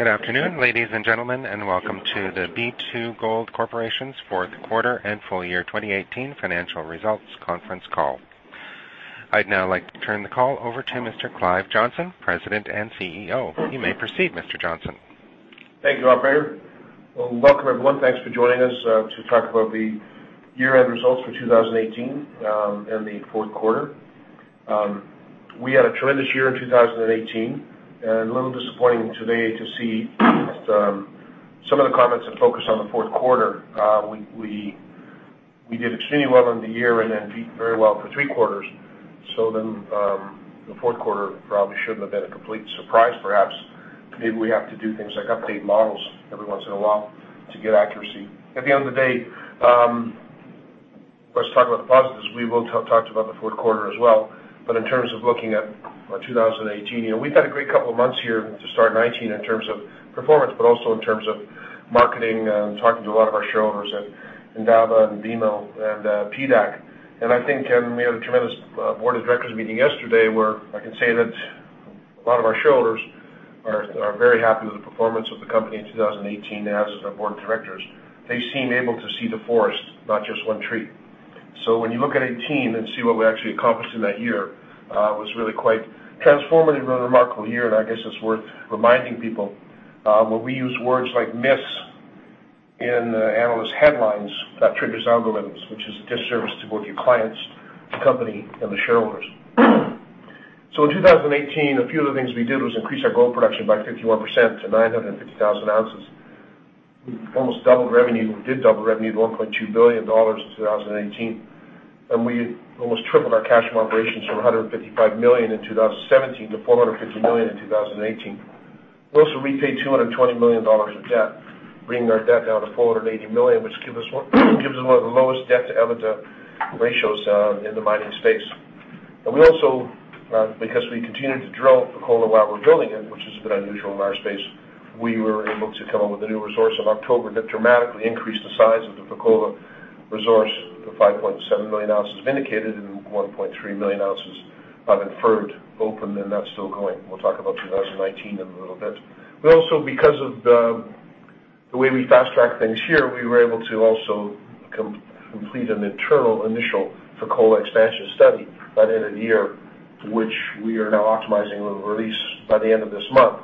Good afternoon, ladies and gentlemen, and welcome to the B2Gold Corporation's fourth quarter and full year 2018 financial results conference call. I'd now like to turn the call over to Mr. Clive Johnson, President and CEO. You may proceed, Mr. Johnson. Thank you, operator. Welcome, everyone. Thanks for joining us to talk about the year-end results for 2018, and the fourth quarter. We had a tremendous year in 2018, a little disappointing today to see some of the comments that focus on the fourth quarter. We did extremely well on the year and then did very well for three quarters. The fourth quarter probably shouldn't have been a complete surprise, perhaps. Maybe we have to do things like update models every once in a while to get accuracy. At the end of the day, let's talk about the positives. We will talk about the fourth quarter as well. In terms of looking at our 2018 year, we've had a great couple of months here to start 2019 in terms of performance, but also in terms of marketing and talking to a lot of our shareholders at Indaba and BMO and PDAC. I think we had a tremendous board of directors meeting yesterday where I can say that a lot of our shareholders are very happy with the performance of the company in 2018, as has our board of directors. They seem able to see the forest, not just one tree. When you look at 2018 and see what we actually accomplished in that year, it was really quite transformative and a remarkable year, and I guess it's worth reminding people when we use words like miss in analyst headlines, that triggers algorithms, which is a disservice to both your clients, the company, and the shareholders. In 2018, a few of the things we did was increase our gold production by 51% to 950,000 ounces. We almost doubled revenue. We did double revenue to $1.2 billion in 2018. We almost tripled our cash from operations from $155 million in 2017 to $450 million in 2018. We also repaid $220 million of debt, bringing our debt down to $480 million, which gives us one of the lowest debt-to-EBITDA ratios in the mining space. We also, because we continued to drill Fekola while we're building it, which is a bit unusual in our space, we were able to come up with a new resource in October that dramatically increased the size of the Fekola resource to 5.7 million ounces indicated and 1.3 million ounces of inferred open, and that's still going. We'll talk about 2019 in a little bit. We also, because of the way we fast-track things here, we were able to also complete an internal initial Fekola expansion study by the end of the year, which we are now optimizing. We'll release by the end of this month.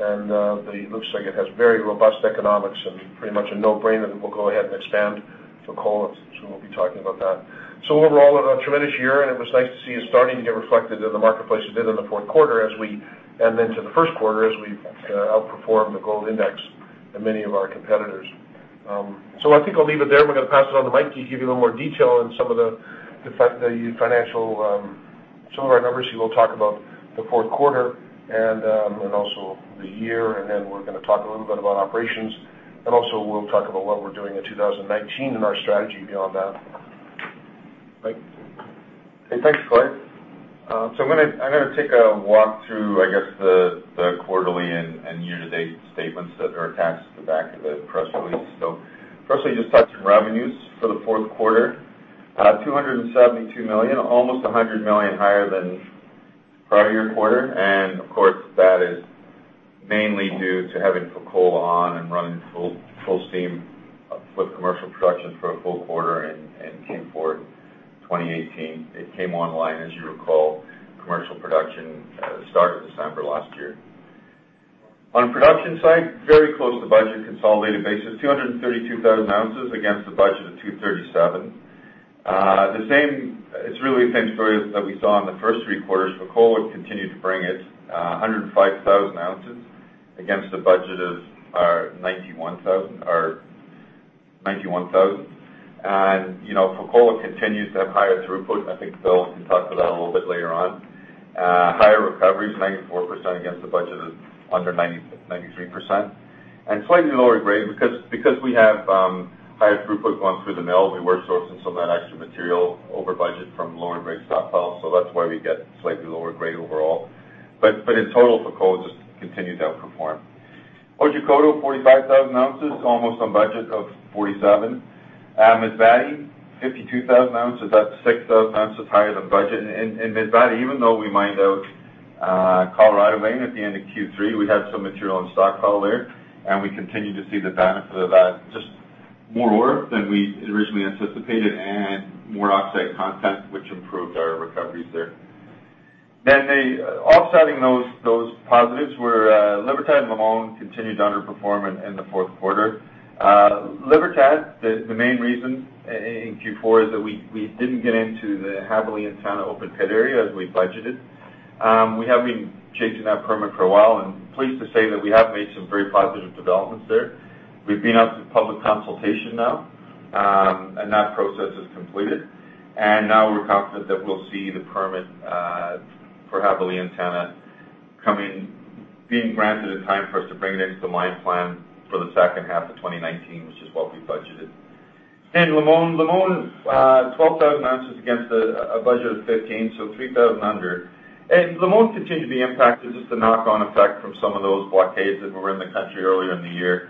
It looks like it has very robust economics and pretty much a no-brainer that we'll go ahead and expand Fekola, we'll be talking about that. Overall, a tremendous year, and it was nice to see it starting to get reflected in the marketplace it did in the fourth quarter and into the first quarter as we outperformed the gold index and many of our competitors. I think I'll leave it there. I'm going to pass it on to Mike to give you a little more detail on some of our numbers. He will talk about the fourth quarter and also the year, then we're going to talk a little bit about operations. Also, we'll talk about what we're doing in 2019 and our strategy beyond that. Mike? Hey, thanks, Clive. I'm going to take a walk through, I guess, the quarterly and year-to-date statements that are attached to the back of the press release. Firstly, just touching revenues for the fourth quarter, $272 million, almost $100 million higher than prior year quarter. Of course, that is mainly due to having Fekola on and running full steam with commercial production for a full quarter in Q4 2018. It came online, as you recall, commercial production started December last year. On the production side, very close to budget. Consolidated basis, 232,000 ounces against a budget of 237,000. It's really the same story that we saw in the first three quarters. Fekola continued to bring it, 105,000 ounces against a budget of 91,000. Fekola continues to have higher throughput. I think Bill can talk to that a little bit later on. Higher recoveries, 94% against a budget of under 93%. Slightly lower grade because we have higher throughput going through the mill. We were sourcing some of that extra material over budget from lower grade stockpiles, that's why we get slightly lower grade overall. In total, Fekola just continued to outperform. Otjikoto, 45,000 ounces, almost on budget of 47,000. Masbate, 52,000 ounces. That's 6,000 ounces higher than budget. In Masbate, even though we mined out Colorado vein at the end of Q3, we had some material in stockpile there, we continued to see the benefit of that. Just more ore than we had originally anticipated and more oxide content, which improved our recoveries there. Offsetting those positives were Libertad and Limon continued to underperform in the fourth quarter. Libertad, the main reason in Q4 is that we didn't get into the Jabali Antenna open pit area as we budgeted. We have been chasing that permit for a while, and pleased to say that we have made some very positive developments there. We've been out to public consultation now, and that process is completed, and now we're confident that we'll see the permit for Jabali Antenna being granted in time for us to bring it into the mine plan for the second half of 2019, which is what we budgeted. Limon, 12,000 ounces against a budget of 15,000, so 3,000 under. Limon continued to be impacted, just a knock-on effect from some of those blockades that were in the country earlier in the year.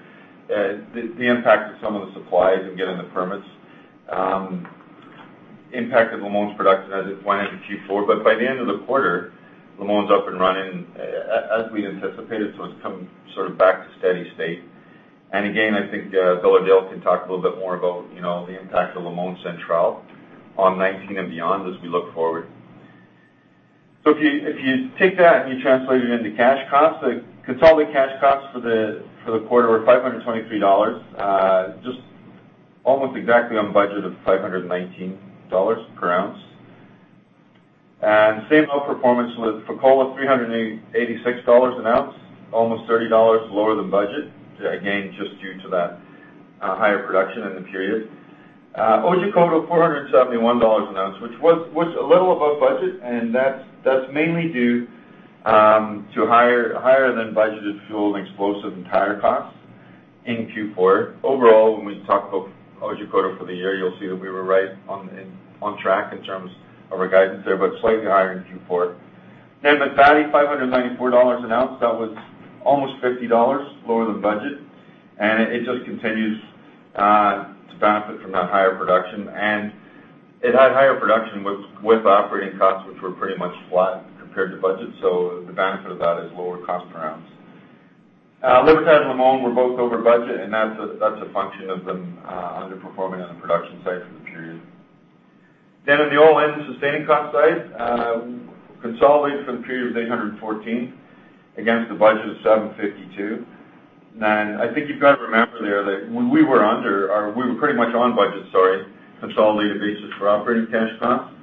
The impact of some of the supplies and getting the permits impacted Limon's production as it went into Q4. By the end of the quarter, Limon's up and running as we anticipated, so it's come sort of back to steady state. Again, I think Bill or Dale can talk a little bit more about the impact of Limon Central on 2019 and beyond as we look forward. If you take that and you translate it into cash costs, the consolidated cash costs for the quarter were $523, just almost exactly on budget of $519 per ounce. Same outperformance with Fekola, $386 an ounce, almost $30 lower than budget, again, just due to that higher production in the period. Otjikoto, $471 an ounce, which was a little above budget, and that's mainly due to higher than budgeted fuel and explosive and tire costs in Q4. Overall, when we talk about Otjikoto for the year, you'll see that we were right on track in terms of our guidance there, but slightly higher in Q4. Masbate, $594 an ounce. That was almost $50 lower than budget, and it just continues to benefit from that higher production. It had higher production with operating costs, which were pretty much flat compared to budget. The benefit of that is lower cost per ounce. Libertad and Limon were both over budget, and that's a function of them underperforming on the production side for the period. On the all-in sustaining cost side, consolidated for the period was $814 against the budget of $752. I think you've got to remember there that we were under or we were pretty much on budget, sorry, consolidated basis for operating cash costs.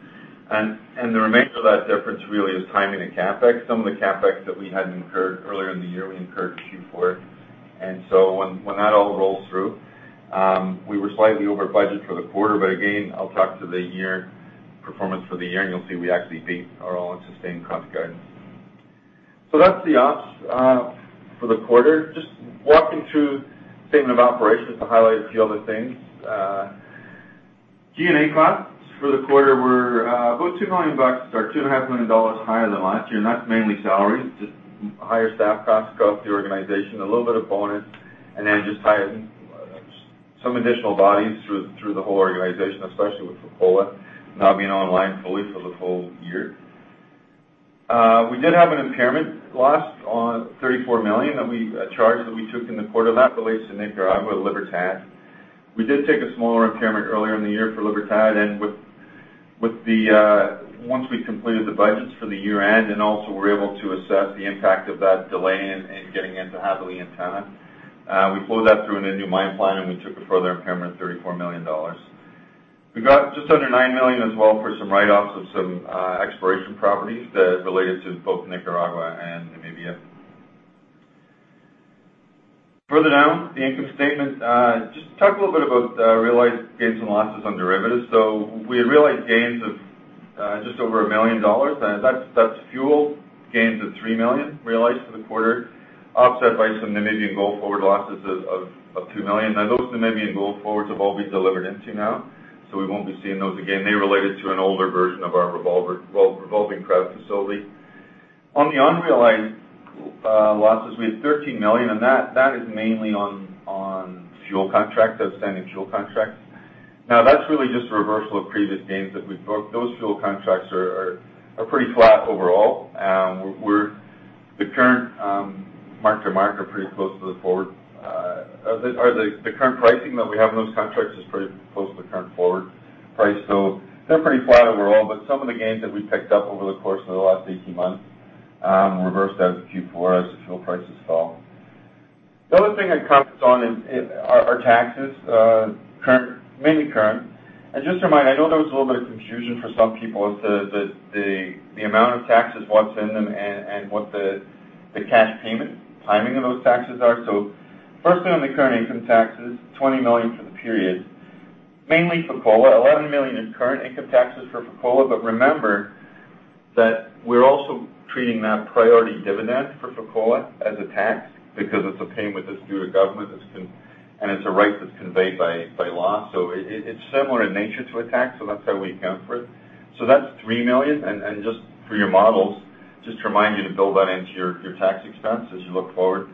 The remainder of that difference really is timing and CapEx. Some of the CapEx that we hadn't incurred earlier in the year, we incurred in Q4. So when that all rolls through, we were slightly over budget for the quarter, but again, I'll talk to the year performance for the year, and you'll see we actually beat our all-in sustaining cost guidance. That's the ops for the quarter. Just walking through the statement of operations to highlight a few other things. G&A costs for the quarter were about $2 million higher than last year, and that's mainly salaries, just higher staff costs across the organization, a little bit of bonus, and then just some additional bodies through the whole organization, especially with Fekola now being online fully for the full year. We did have an impairment loss on $34 million, a charge that we took in the quarter. That relates to Nicaragua, Libertad. We did take a smaller impairment earlier in the year for Libertad and once we completed the budgets for the year-end, and also were able to assess the impact of that delay in getting into Jabali on time, we flowed that through in a new mine plan and we took a further impairment of $34 million. We got just under $9 million as well for some write-offs of some exploration properties that related to both Nicaragua and Namibia. Further down the income statement, just talk a little bit about realized gains and losses on derivatives. We had realized gains of just over $1 million. That's fuel gains of $3 million realized for the quarter, offset by some Namibian gold forward losses of $2 million. Those Namibian gold forwards have all been delivered into now, so we won't be seeing those again. They related to an older version of our revolving credit facility. On the unrealized losses, we had $13 million, and that is mainly on outstanding fuel contracts. That's really just a reversal of previous gains that we've booked. Those fuel contracts are pretty flat overall. The current mark-to-market are pretty close to the current pricing that we have on those contracts is pretty close to the current forward price. They're pretty flat overall, but some of the gains that we picked up over the course of the last 18 months reversed out of Q4 as the fuel prices fell. The other thing I commented on are taxes, mainly current. Just a reminder, I know there was a little bit of confusion for some people as to the amount of taxes, what's in them, and what the cash payment timing of those taxes are. Firstly, on the current income taxes, $20 million for the period, mainly Fekola. $11 million is current income taxes for Fekola, but remember that we're also treating that priority dividend for Fekola as a tax because it's a payment that's due to government, and it's a right that's conveyed by law. It's similar in nature to a tax, so that's how we account for it. That's $3 million. Just for your models, just remind you to build that into your tax expense as you look forward.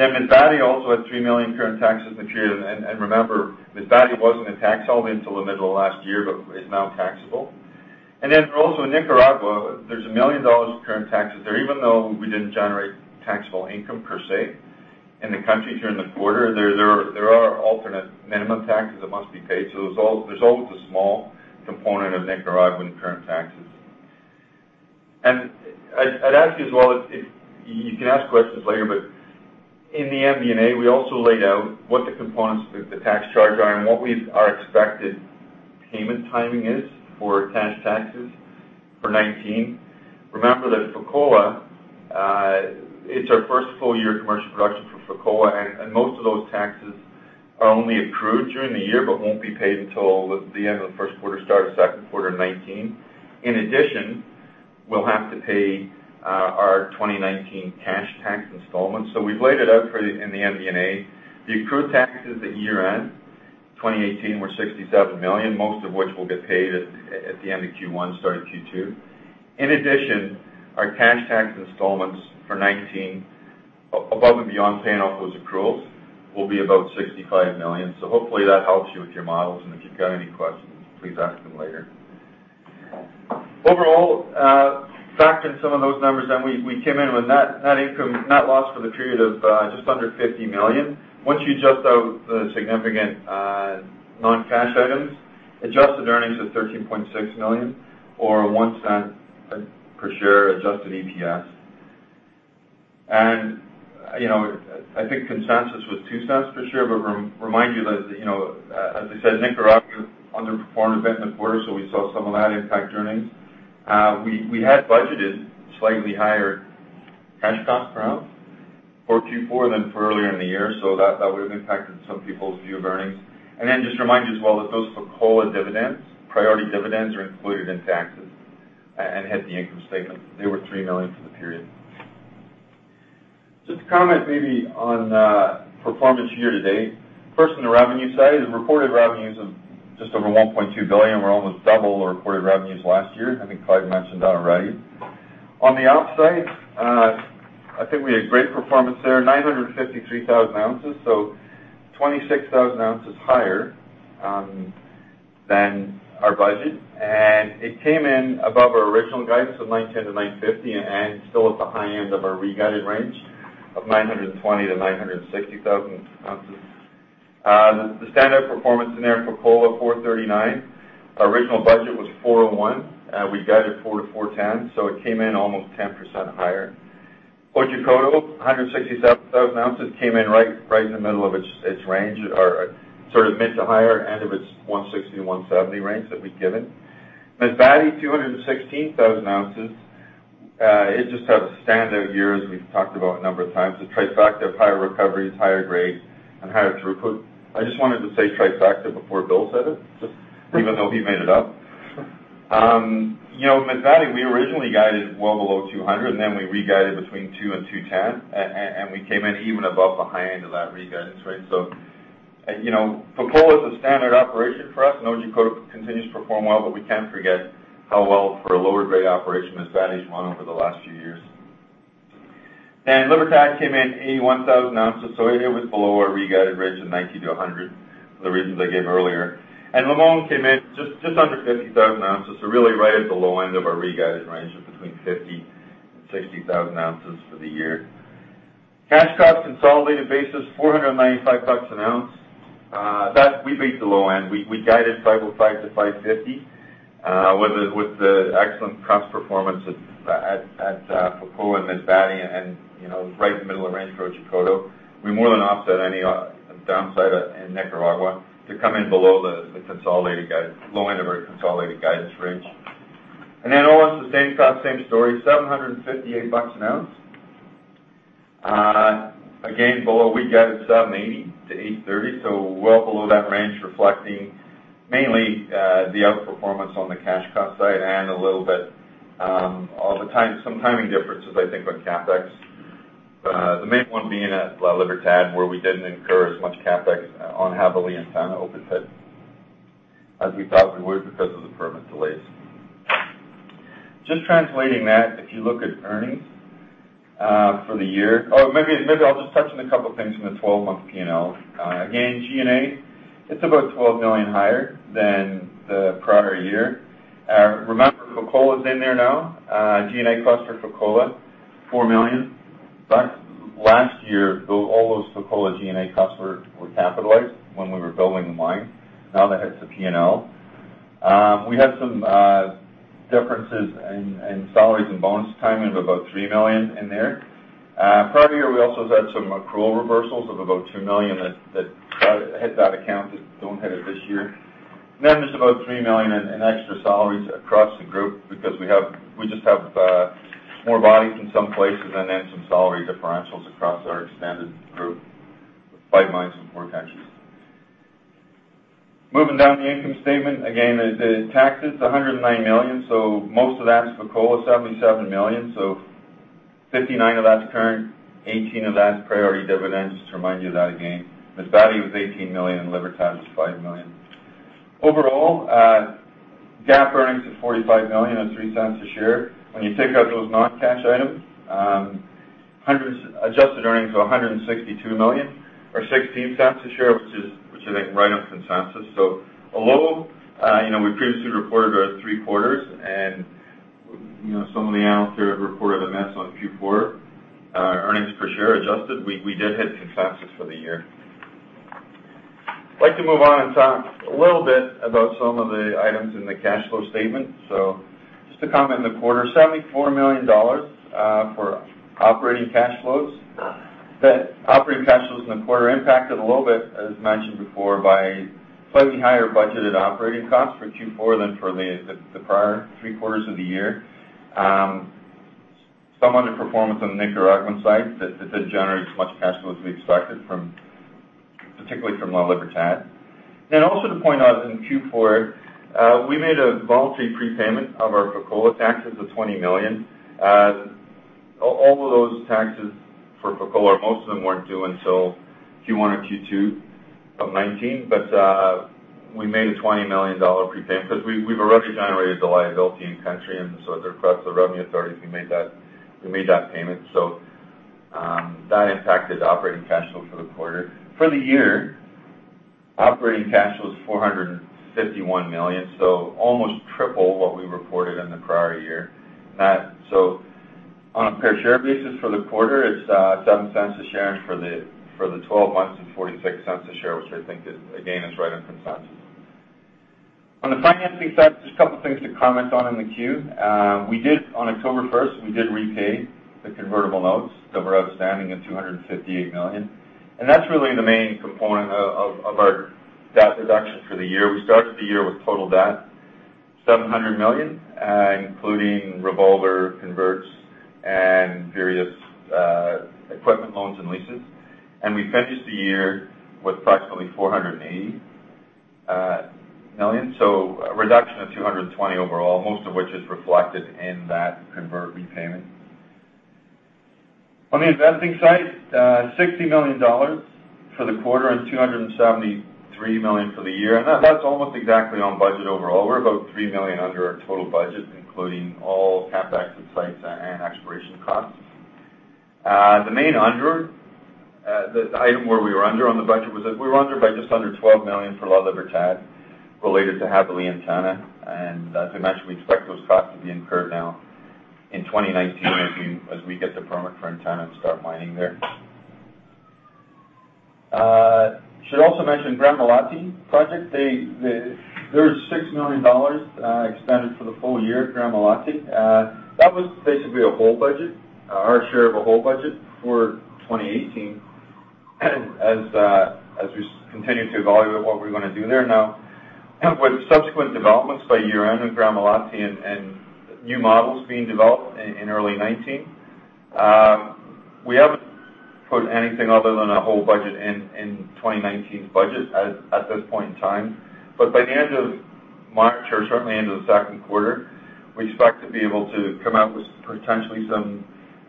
Masbate also had $3 million current taxes in the period. Remember, Masbate wasn't a tax until the middle of last year but is now taxable. Also in Nicaragua, there's $1 million of current taxes there, even though we didn't generate taxable income per se in the country during the quarter. There are alternate minimum taxes that must be paid. There's always a small component of Nicaragua in the current taxes. I'd ask you as well, you can ask questions later, but in the MD&A, we also laid out what the components of the tax charge are and what our expected payment timing is for cash taxes for 2019. Remember that Fekola, it's our first full year commercial production for Fekola, and most of those taxes are only accrued during the year but won't be paid until the end of the first quarter, start of second quarter 2019. In addition, we'll have to pay our 2019 cash tax installments. We've laid it out in the MD&A. The accrued taxes at year-end 2018 were $67 million, most of which will get paid at the end of Q1, start of Q2. In addition, our cash tax installments for 2019. Above and beyond paying off those accruals will be about $65 million. Hopefully, that helps you with your models, and if you've got any questions, please ask them later. Overall, factor in some of those numbers, we came in with net loss for the period of just under $50 million. Once you adjust out the significant non-cash items, adjusted earnings of $13.6 million or $0.01 per share adjusted EPS. I think consensus was $0.02 per share. Remind you that, as I said, Nicaragua underperformed a bit in the quarter, so we saw some of that impact earnings. We had budgeted slightly higher cash costs per ounce for Q4 than for earlier in the year. That would have impacted some people's view of earnings. Just remind you as well that those Fekola priority dividends are included in taxes and hit the income statement. They were $3 million for the period. Just to comment maybe on performance year to date. First, on the revenue side, the reported revenues of just over $1.2 billion were almost double the reported revenues last year, I think Clive mentioned that already. On the outside, I think we had great performance there, 953,000 ounces, so 26,000 ounces higher than our budget. It came in above our original guidance of 910,000 to 950,000 ounces and still at the high end of our re-guided range of 920,000 to 960,000 ounces. The standard performance in there, Fekola, 439,000. Our original budget was 401,000. We guided 400,000 to 410,000 ounces, it came in almost 10% higher. Otjikoto, 167,000 ounces, came in right in the middle of its range or mid to higher end of its 160,000 to 170,000 range that we'd given. Masbate, 216,000 ounces. It just had a standard year, as we've talked about a number of times. The trifecta of higher recoveries, higher grades, and higher throughput. I just wanted to say trifecta before Bill said it, just even though he made it up. Masbate, we originally guided well below 200,000, then we re-guided between 200,000 and 210,000, and we came in even above the high end of that re-guidance range. Fekola is a standard operation for us and Otjikoto continues to perform well, but we can't forget how well for a lower grade operation Masbate's run over the last few years. Libertad came in 81,000 ounces, it was below our re-guided range of 90,000 to 100,000 ounces for the reasons I gave earlier. Limon came in just under 50,000 ounces. Really right at the low end of our re-guided range of between 50,000 and 60,000 ounces for the year. Cash cost, consolidated basis, $495 an ounce. That we made the low end. We guided $505 to $550 with the excellent crush performance at Fekola and Masbate and right in the middle of range for Otjikoto. We more than offset any downside in Nicaragua to come in below the low end of our consolidated guidance range. All-in sustaining cost, same story, $758 an ounce. Again, below, we guided $780 to $830, well below that range, reflecting mainly the outperformance on the cash cost side and a little bit of some timing differences, I think, on CapEx. The main one being at La Libertad, where we didn't incur as much CapEx on Jabali and San Juan open pit as we thought we would because of the permit delays. Just translating that, if you look at earnings for the year, maybe I'll just touch on a couple of things from the 12-month P&L. Again, G&A, it's about $12 million higher than the prior year. Remember, Fekola is in there now. G&A cluster Fekola, $4 million. Last year, all those Fekola G&A costs were capitalized when we were building the mine. Now that hits the P&L. We had some differences in salaries and bonus timing of about $3 million in there. Prior year, we also had some accrual reversals of about $2 million that hit that account that don't hit it this year. Just about $3 million in extra salaries across the group because we just have more bodies in some places and then some salary differentials across our expanded group with five mines in four countries. Moving down the income statement, again, the taxes, $109 million, most of that's Fekola, $77 million, $59 million of that's current, $18 million of that is priority dividends, just to remind you of that again. Masbate was $18 million and La Libertad was $5 million. Overall, GAAP earnings of $45 million on $0.03 a share. When you take out those non-cash items, adjusted earnings of $162 million or $0.16 a share, which I think is right on consensus. Although we previously reported our three quarters and some of the analysts here have reported a miss on Q4 earnings per share adjusted, we did hit consensus for the year. I'd like to move on and talk a little bit about some of the items in the cash flow statement. Just to comment on the quarter, $74 million for operating cash flows. The operating cash flows in the quarter impacted a little bit, as mentioned before, by slightly higher budgeted operating costs for Q4 than for the prior three quarters of the year. Some underperformance on the Nicaragua site that didn't generate as much cash flow as we expected, particularly from La Libertad. Also to point out in Q4, we made a voluntary prepayment of our Fekola taxes of $20 million. All of those taxes for Fekola, most of them weren't due until Q1 or Q2 of 2019, but we made a $20 million prepayment because we've already generated the liability in country, at the request of the Revenue Authorities, we made that payment. That impacted operating cash flow for the quarter. For the year, operating cash flow was $451 million, almost triple what we reported in the prior year. On a per share basis for the quarter, it's $0.07 a share. For the 12 months, it's $0.46 a share, which I think is, again, is right in consensus. On the financing side, just a couple of things to comment on in the queue. On October 1, we did repay the convertible notes that were outstanding at $258 million, that's really the main component of our debt reduction for the year. We started the year with total debt, $700 million, including revolver, converts, and various equipment loans and leases. We finished the year with approximately $480 million, a reduction of $220 million overall, most of which is reflected in that convert repayment. On the investing side, $60 million for the quarter and $273 million for the year, that's almost exactly on budget overall. We're about $3 million under our total budget, including all CapEx and sites and exploration costs. The item where we were under on the budget was that we were under by just under $12 million for La Libertad related to Jabali Antenna. As I mentioned, we expect those costs to be incurred now in 2019 as we get the permit for antenna and start mining there. I should also mention Gramalote project. There was $6 million expended for the full year at Gramalote. That was basically a whole budget, our share of a whole budget for 2018 as we continue to evaluate what we're going to do there now. With subsequent developments by year-end in Gramalote and new models being developed in early 2019, we haven't put anything other than a whole budget in 2019's budget at this point in time. By the end of March or certainly end of the second quarter, we expect to be able to come out with potentially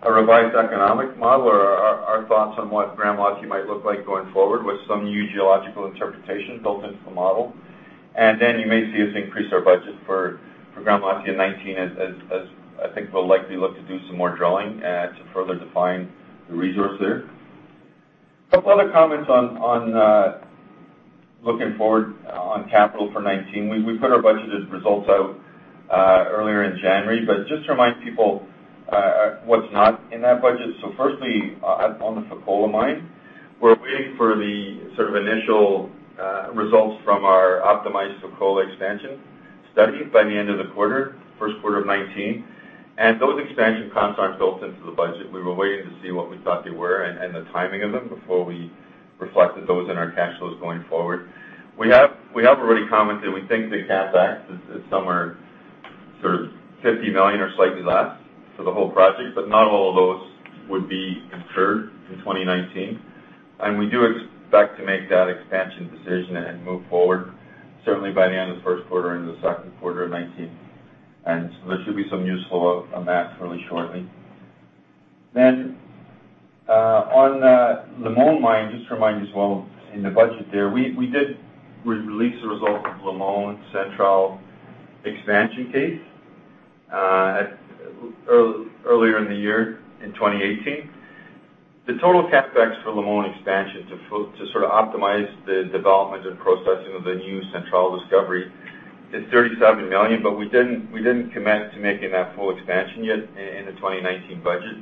a revised economic model or our thoughts on what Gramalote might look like going forward with some new geological interpretation built into the model. You may see us increase our budget for Gramalote in 2019 as I think we'll likely look to do some more drilling to further define the resource there. I have a couple other comments on looking forward on capital for 2019. We put our budgeted results out earlier in January, just to remind people what's not in that budget. Firstly, on the Fekola mine, we're waiting for the sort of initial results from our optimized Fekola expansion study by the end of the quarter, first quarter of 2019. Those expansion costs aren't built into the budget. We were waiting to see what we thought they were and the timing of them before we reflected those in our cash flows going forward. We have already commented, we think the CapEx is somewhere sort of $50 million or slightly less for the whole project, not all of those would be incurred in 2019. We do expect to make that expansion decision and move forward certainly by the end of the first quarter into the second quarter of 2019. There should be some news flow on that fairly shortly. On the El Limon mine, just to remind you as well in the budget there, we released the results of El Limon Central expansion case earlier in the year in 2018. The total CapEx for El Limon expansion to sort of optimize the development and processing of the new Central discovery is $37 million, we didn't commit to making that full expansion yet in the 2019 budget.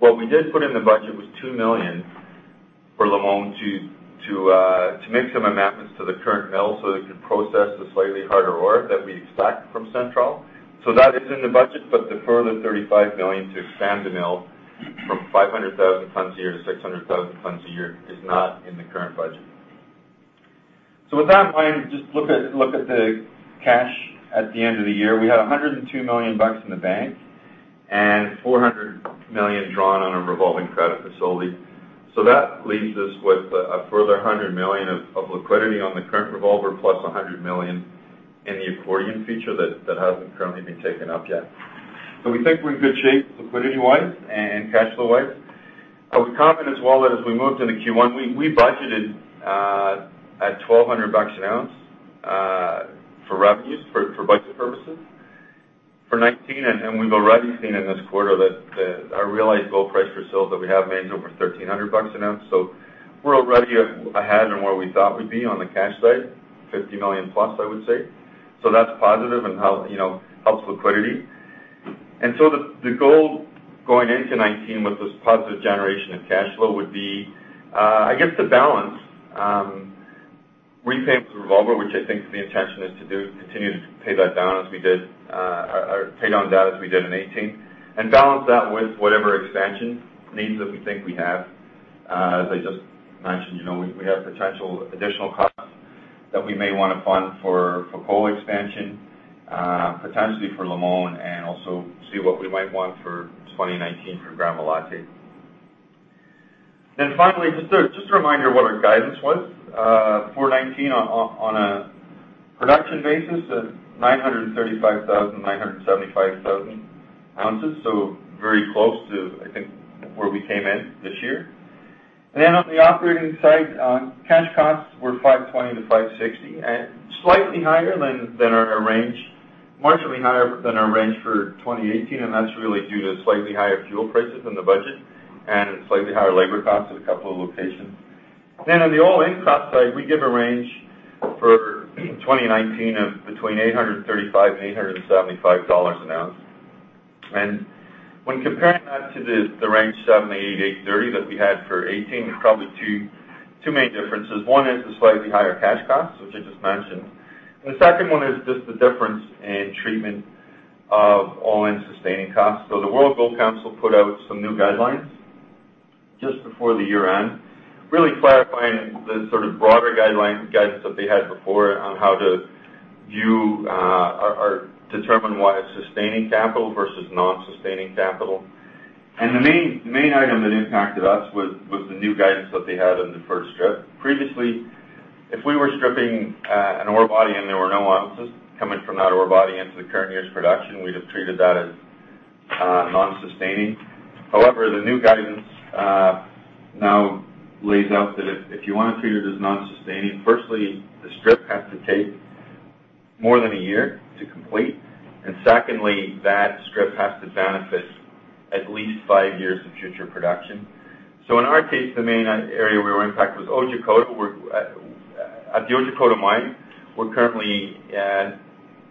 What we did put in the budget was $2 million for El Limon to make some amendments to the current mill so it could process the slightly harder ore that we expect from Central. That is in the budget, the further $35 million to expand the mill from 500,000 tons a year to 600,000 tons a year is not in the current budget. With that in mind, just look at the cash at the end of the year. We had $102 million in the bank and $400 million drawn on a revolving credit facility. That leaves us with a further $100 million of liquidity on the current revolver plus $100 million in the accordion feature that hasn't currently been taken up yet. We think we're in good shape liquidity-wise and cash flow-wise. We're confident as well that as we move to the Q1, we budgeted at $1,200 an ounce for revenues for budget purposes for 2019. We've already seen in this quarter that our realized gold price for sales that we have made is over $1,300 an ounce. We're already ahead in where we thought we'd be on the cash side, $50 million plus, I would say. That's positive and helps liquidity. The goal going into 2019 with this positive generation of cash flow would be, I guess, to balance repaying the revolver, which I think the intention is to do, continue to pay down debt as we did in 2018, and balance that with whatever expansion needs that we think we have. As I just mentioned, we have potential additional costs that we may want to fund for Fekola expansion, potentially for Limon, and also see what we might want for 2019 for Gramalote. Finally, just a reminder what our guidance was for 2019 on a production basis of 935,000-975,000 ounces. Very close to, I think where we came in this year. On the operating side, cash costs were $520-$560 and slightly higher than our range, marginally higher than our range for 2018, and that's really due to slightly higher fuel prices than the budget and slightly higher labor costs at a couple of locations. On the all-in cost side, we give a range for 2019 of between $835 and $875 an ounce. When comparing that to the range of $780-$830 that we had for 2018, there's probably two main differences. One is the slightly higher cash costs, which I just mentioned. The second one is just the difference in treatment of all-in sustaining costs. The World Gold Council put out some new guidelines just before the year-end, really clarifying the sort of broader guidelines, guidance that they had before on how to view or determine what is sustaining capital versus non-sustaining capital. The main item that impacted us was the new guidance that they had on the first strip. Previously, if we were stripping an ore body and there were no ounces coming from that ore body into the current year's production, we'd have treated that as non-sustaining. However, the new guidance now lays out that if you want to treat it as non-sustaining, firstly, the strip has to take more than a year to complete, and secondly, that strip has to benefit at least five years of future production. In our case, the main area we were impacted was Otjikoto. At the Otjikoto mine, we're currently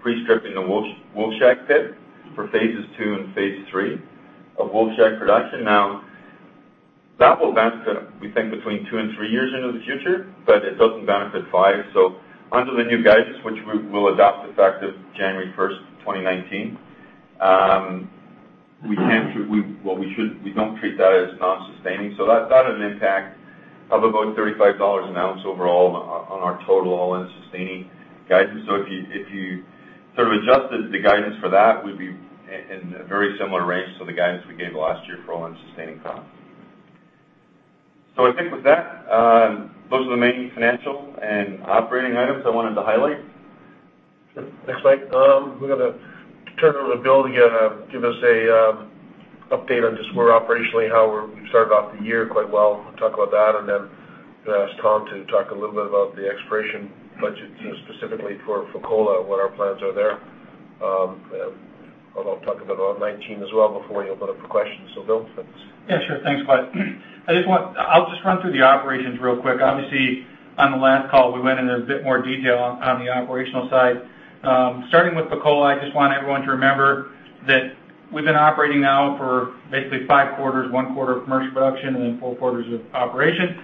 pre-stripping the Wolfshag pit for phases 2 and phase 3 of Wolfshag production. That will benefit, we think between two and three years into the future, but it doesn't benefit five. Under the new guidance, which we'll adopt effective January 1st, 2019, we don't treat that as non-sustaining. That had an impact of about $35 an ounce overall on our total All-in Sustaining guidance. If you sort of adjusted the guidance for that, we'd be in a very similar range to the guidance we gave last year for All-in Sustaining costs. I think with that, those are the main financial and operating items I wanted to highlight. Sure. Next slide. We're going to turn it over to Bill to give us an update on just where operationally, how we've started off the year quite well, talk about that, and then going to ask Tom to talk a little bit about the exploration budget specifically for Fekola, what our plans are there. Although I'll talk about 2019 as well before we open up for questions. Bill, thanks. Yeah, sure. Thanks, Mike. I'll just run through the operations real quick. Obviously, on the last call, we went into a bit more detail on the operational side. Starting with Fekola, I just want everyone to remember that we've been operating now for basically five quarters, one quarter of commercial production, and then four quarters of operation.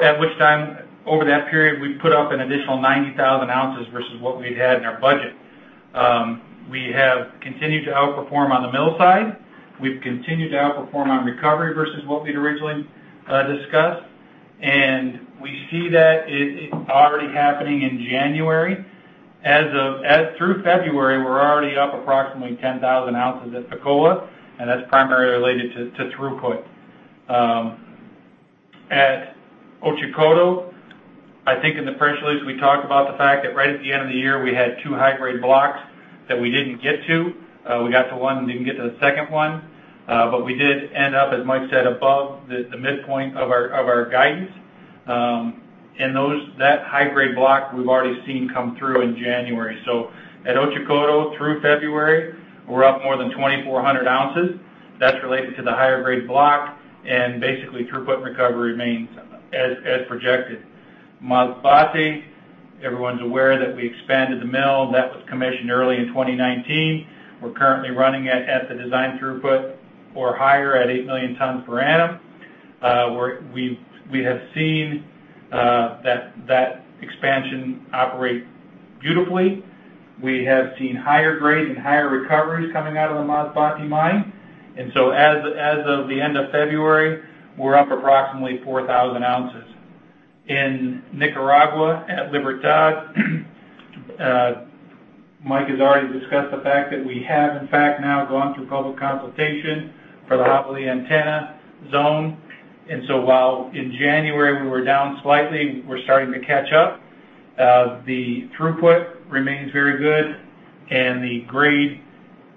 At which time, over that period, we've put up an additional 90,000 ounces versus what we'd had in our budget. We have continued to outperform on the mill side. We've continued to outperform on recovery versus what we'd originally discussed, and we see that it is already happening in January. Through February, we're already up approximately 10,000 ounces at Fekola, and that's primarily related to throughput. At Otjikoto, I think in the press release, we talked about the fact that right at the end of the year, we had two high-grade blocks that we didn't get to. We got to one, didn't get to the second one. We did end up, as Mike said, above the midpoint of our guidance. That high-grade block we've already seen come through in January. At Otjikoto, through February, we're up more than 2,400 ounces. That's related to the higher grade block and basically throughput and recovery remains as projected. Masbate, everyone's aware that we expanded the mill. That was commissioned early in 2019. We're currently running at the design throughput or higher at eight million tons per annum. We have seen that expansion operate beautifully. We have seen higher grade and higher recoveries coming out of the Masbate mine. As of the end of February, we're up approximately 4,000 ounces. In Nicaragua at La Libertad, Mike has already discussed the fact that we have in fact now gone through public consultation for the Jabali Antenna zone. While in January we were down slightly, we're starting to catch up. The throughput remains very good and the grade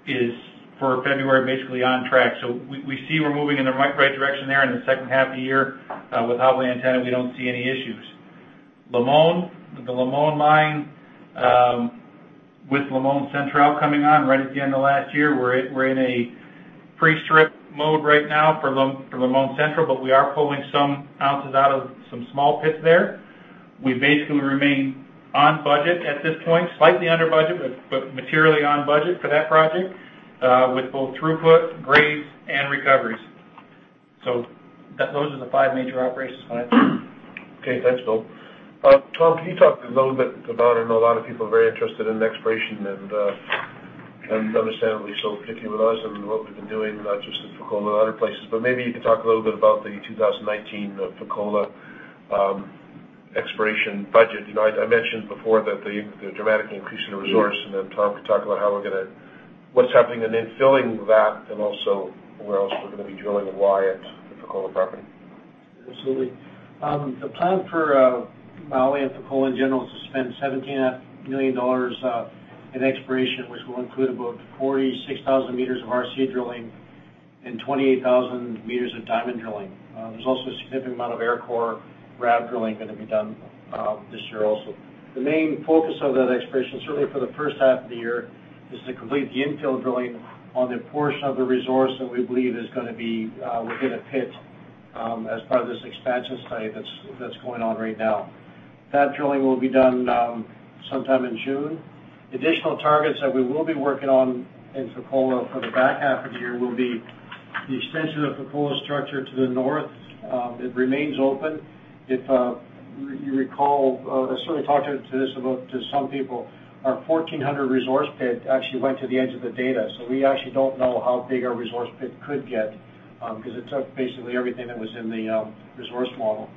is for February, basically on track. We see we're moving in the right direction there in the second half of the year. With Jabali Antenna, we don't see any issues. Limon, the Limon mine, with Limon Central coming on right at the end of last year, we're in a pre-strip mode right now for Limon Central, but we are pulling some ounces out of some small pits there. We basically remain on budget at this point, slightly under budget, but materially on budget for that project, with both throughput, grades, and recoveries. Those are the five major operations slides. Okay, thanks, Bill. Tom, can you talk a little bit about, I know a lot of people are very interested in exploration and understandably so, particularly with us and what we've been doing, not just at Fekola, but other places. Maybe you could talk a little bit about the 2019 Fekola exploration budget. I mentioned before that the dramatic increase in the resource, and then Tom could talk about what's happening, and then filling that and also where else we're going to be drilling and why at the Fekola property. Absolutely. The plan for Mali and Fekola in general is to spend $17.5 million in exploration, which will include about 46,000 meters of RC drilling and 28,000 meters of diamond drilling. There's also a significant amount of air core RAB drilling going to be done this year also. The main focus of that exploration, certainly for the first half of the year, is to complete the infill drilling on the portion of the resource that we believe is going to be within a pit as part of this expansion study that's going on right now. That drilling will be done sometime in June. Additional targets that we will be working on in Fekola for the back half of the year will be the extension of Fekola's structure to the north. It remains open. If you recall, I certainly talked to this about to some people, our 1,400 resource pit actually went to the edge of the data. We actually don't know how big our resource pit could get, because it took basically everything that was in the resource model.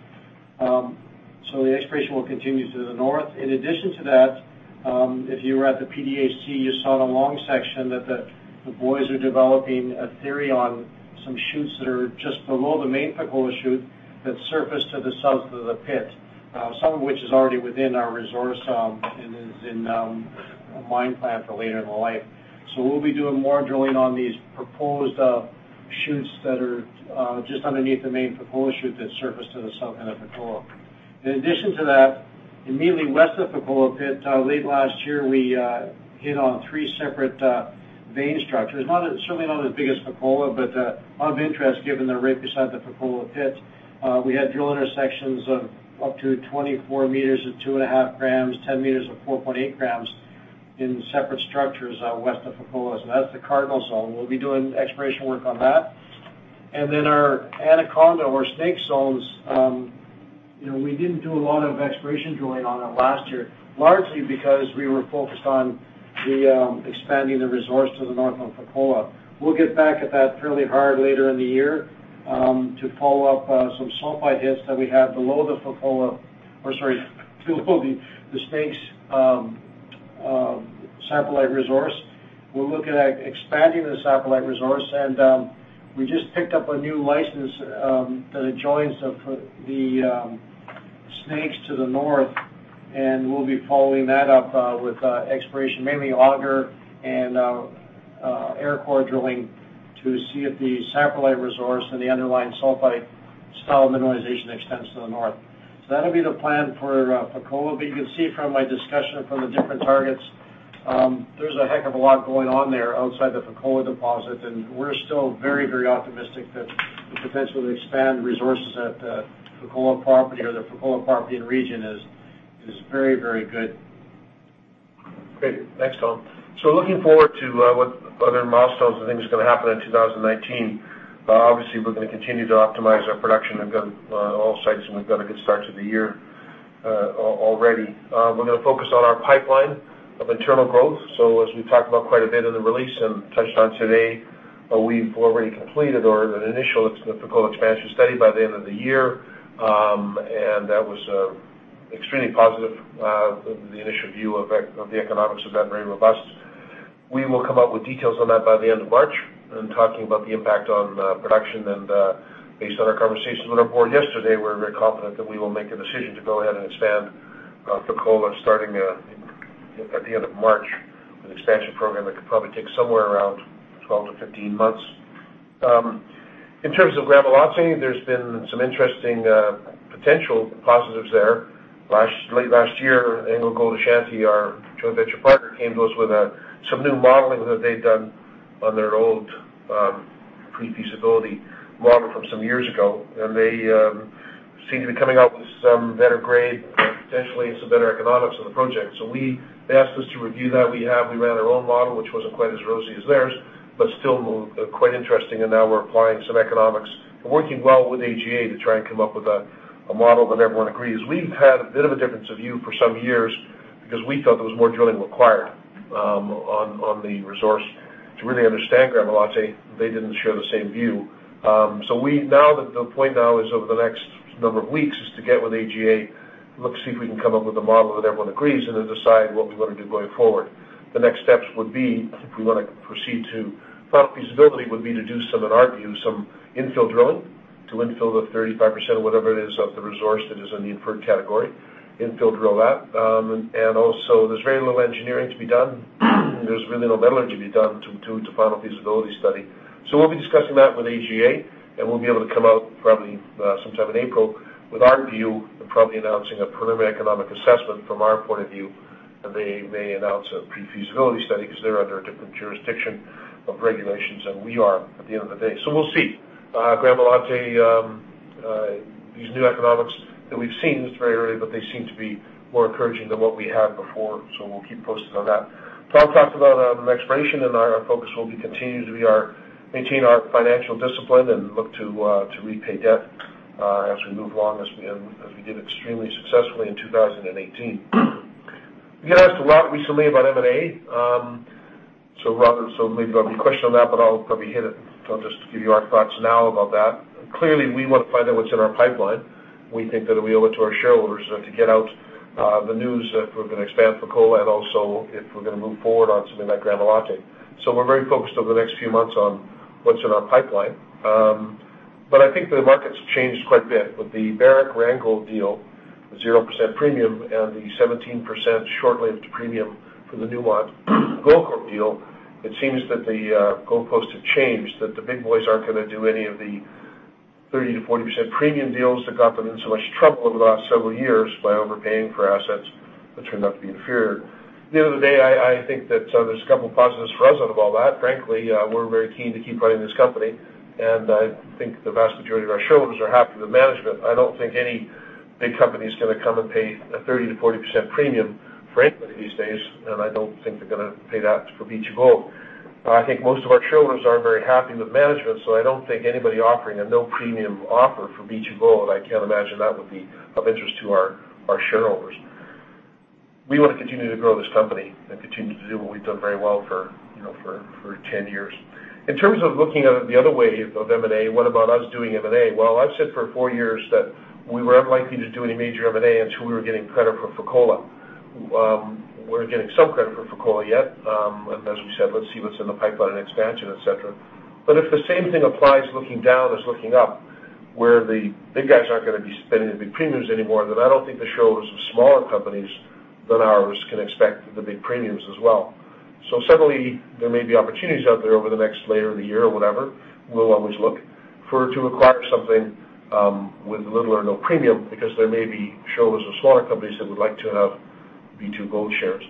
The exploration will continue to the north. In addition to that, if you were at the PDAC, you saw in a long section that the boys are developing a theory on some shoots that are just below the main Fekola shoot that surface to the south of the pit, some of which is already within our resource and is in a mine plant for later in the life. We'll be doing more drilling on these proposed shoots that are just underneath the main Fekola shoot that surface to the south end of Fekola. In addition to that, immediately west of Fekola pit, late last year, we hit on three separate vein structures. Certainly not as big as Fekola, but of interest given they're right beside the Fekola pit. We had drill intersections of up to 24 meters at two and a half grams, 10 meters of 4.8 grams in separate structures out west of Fekola. That's the Cardinal zone. We'll be doing exploration work on that. Our Anaconda or Snake zones, we didn't do a lot of exploration drilling on it last year, largely because we were focused on expanding the resource to the north of Fekola. We'll get back at that fairly hard later in the year to follow up some sulfide hits that we have below the Fekola, or sorry, below the Snakes satellite resource. We're looking at expanding the satellite resource, we just picked up a new license that adjoins the Snakes to the north, we'll be following that up with exploration, mainly auger and air core drilling to see if the satellite resource and the underlying sulfide style mineralization extends to the north. That'll be the plan for Fekola. You can see from my discussion from the different targets, there's a heck of a lot going on there outside the Fekola deposit, we're still very optimistic that the potential to expand resources at Fekola property or the Fekola property in the region is very good. Great. Thanks, Tom. Looking forward to what other milestones and things are going to happen in 2019. Obviously, we're going to continue to optimize our production at all sites, we've got a good start to the year already. We're going to focus on our pipeline of internal growth. As we've talked about quite a bit in the release and touched on today, we've already completed or an initial Fekola expansion study by the end of the year, that was extremely positive. The initial view of the economics of that, very robust. We will come out with details on that by the end of March talking about the impact on production. Based on our conversation with our board yesterday, we're very confident that we will make a decision to go ahead and expand Fekola starting at the end of March with expansion program that could probably take somewhere around 12-15 months. In terms of Gramalote, there's been some interesting potential positives there. Late last year, AngloGold Ashanti, our joint venture partner, came to us with some new modeling that they'd done on their old pre-feasibility model from some years ago, and they seem to be coming out with some better grade potentially and some better economics on the project. They asked us to review that. We have. We ran our own model, which wasn't quite as rosy as theirs, but still quite interesting, and now we're applying some economics. We're working well with AGA to try and come up with a model that everyone agrees. We've had a bit of a difference of view for some years because we felt there was more drilling required on the resource to really understand Gramalote. They didn't share the same view. The point now is over the next number of weeks is to get with AGA, look, see if we can come up with a model that everyone agrees, then decide what we're going to do going forward. The next steps would be, if we want to proceed to final feasibility, would be to do some, in our view, some infill drilling to infill the 35% or whatever it is of the resource that is in the inferred category, infill drill that. Also, there's very little engineering to be done. There's really no metallurgy to be done to do a final feasibility study. We'll be discussing that with AGA, we'll be able to come out probably sometime in April with our view and probably announcing a preliminary economic assessment from our point of view. They may announce a pre-feasibility study because they're under a different jurisdiction of regulations than we are at the end of the day. We'll see. Gramalote, these new economics that we've seen, it's very early, but they seem to be more encouraging than what we had before. We'll keep posted on that. Colin talked about exploration, our focus will be continue to maintain our financial discipline and look to repay debt as we move along, as we did extremely successfully in 2018. We get asked a lot recently about M&A. Maybe there'll be a question on that, but I'll probably hit it. I'll just give you our thoughts now about that. Clearly, we want to find out what's in our pipeline. We think that it will be open to our shareholders to get out the news that we're going to expand Fekola, and also if we're going to move forward on something like Gramalote. We're very focused over the next few months on what's in our pipeline. I think the market's changed quite a bit with the Barrick Randgold deal, the 0% premium, and the 17% short-lived premium for the Newmont Goldcorp deal. It seems that the goalposts have changed, that the big boys aren't going to do any of the 30%-40% premium deals that got them in so much trouble over the last several years by overpaying for assets that turned out to be inferior. At the end of the day, I think that there's a couple of positives for us out of all that, frankly. We're very keen to keep running this company, and I think the vast majority of our shareholders are happy with management. I don't think any big company is going to come and pay a 30%-40% premium for anybody these days, and I don't think they're going to pay that for B2Gold. I think most of our shareholders aren't very happy with management. I don't think anybody offering a no premium offer for B2Gold, I can't imagine that would be of interest to our shareholders. We want to continue to grow this company and continue to do what we've done very well for 10 years. In terms of looking at it the other way of M&A, what about us doing M&A? I've said for four years that we were unlikely to do any major M&A until we were getting credit for Fekola. We're getting some credit for Fekola yet. As we said, let's see what's in the pipeline and expansion, et cetera. If the same thing applies looking down as looking up, where the big guys aren't going to be spending the big premiums anymore, I don't think the shareholders of smaller companies than ours can expect the big premiums as well. Certainly, there may be opportunities out there over the next later in the year or whatever. We'll always look to acquire something with little or no premium because there may be shareholders of smaller companies that would like to have B2Gold shares.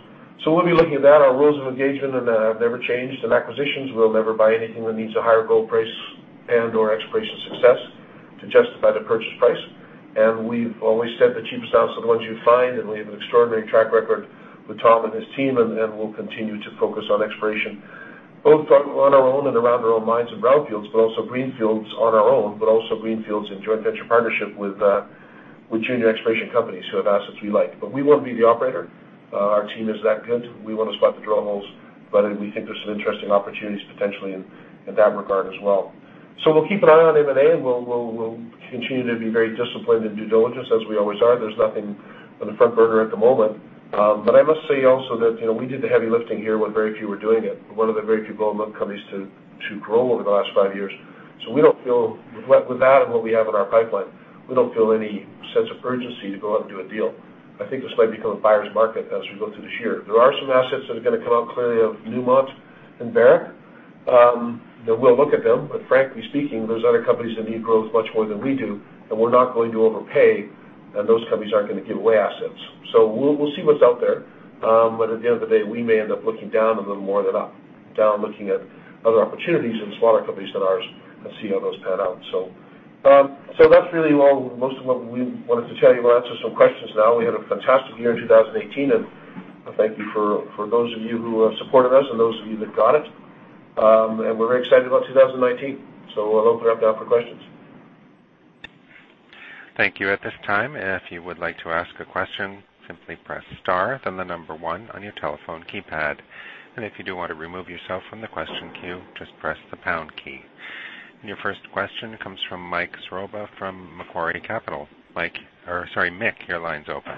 We'll be looking at that. Our rules of engagement have never changed. Acquisitions, we'll never buy anything that needs a higher gold price and/or exploration success to justify the purchase price. We've always said the cheapest ounce are the ones you find, and we have an extraordinary track record with Tom and his team, and we'll continue to focus on exploration, both on our own and around our own mines and brownfields, but also greenfields on our own, but also greenfields in joint venture partnership with junior exploration companies who have assets we like. We want to be the operator. Our team is that good. We want to spot the drill holes, but we think there's some interesting opportunities potentially in that regard as well. We'll keep an eye on M&A, and we'll continue to be very disciplined in due diligence as we always are. There's nothing on the front burner at the moment. I must say also that we did the heavy lifting here when very few were doing it. We're one of the very few gold mine companies to grow over the last five years. With that and what we have in our pipeline, we don't feel any sense of urgency to go out and do a deal. I think this might become a buyer's market as we go through this year. There are some assets that are going to come out clearly of Newmont and Barrick, then we'll look at them, but frankly speaking, there's other companies that need growth much more than we do, and we're not going to overpay, and those companies aren't going to give away assets. We'll see what's out there. At the end of the day, we may end up looking down a little more than up. Down looking at other opportunities in smaller companies than ours and see how those pan out. That's really most of what we wanted to tell you. We'll answer some questions now. We had a fantastic year in 2018, thank you for those of you who have supported us and those of you that got it. We're very excited about 2019. I'll open it up now for questions. Thank you. At this time, if you would like to ask a question, simply press star, then the number one on your telephone keypad. If you do want to remove yourself from the question queue, just press the pound key. Your first question comes from Mick Zroba from Macquarie Capital. Mick, your line's open.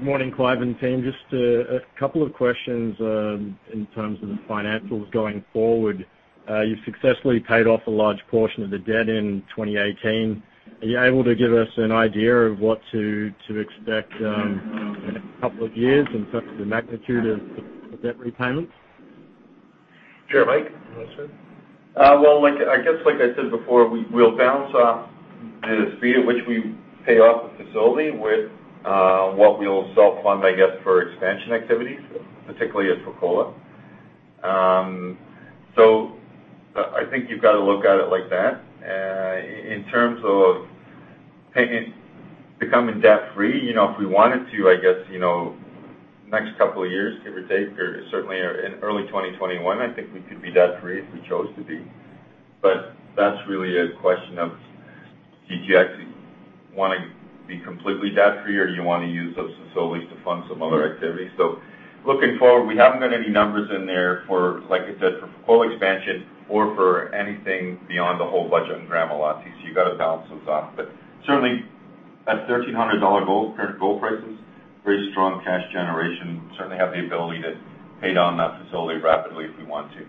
Morning, Clive and team. Just a couple of questions in terms of the financials going forward. You've successfully paid off a large portion of the debt in 2018. Are you able to give us an idea of what to expect in a couple of years in terms of the magnitude of the debt repayments? Sure, Mick. You want to start? Well, Mick, I guess like I said before, we'll balance off the speed at which we pay off the facility with what we'll self-fund, I guess, for expansion activities, particularly at Fekola. I think you've got to look at it like that. In terms of becoming debt free, if we wanted to, I guess, next couple of years, give or take, or certainly in early 2021, I think we could be debt free if we chose to be. That's really a question of did you actually want to be completely debt free or do you want to use those facilities to fund some other activities? Looking forward, we haven't got any numbers in there for, like I said, for Fekola expansion or for anything beyond the whole budget in Gramalote, so you've got to balance those off. Certainly at $1,300 gold, current gold prices, very strong cash generation, certainly have the ability to pay down that facility rapidly if we want to.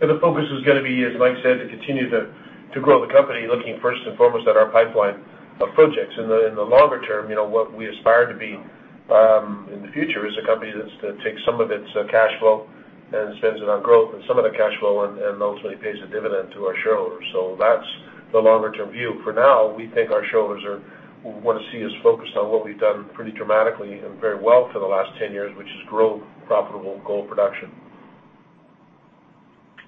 The focus is going to be, as Mick said, to continue to grow the company, looking first and foremost at our pipeline of projects. In the longer term, what we aspire to be in the future is a company that takes some of its cash flow and spends it on growth and some of the cash flow, and ultimately pays a dividend to our shareholders. That's the longer term view. For now, we think our shareholders want to see us focused on what we've done pretty dramatically and very well for the last 10 years, which is grow profitable gold production.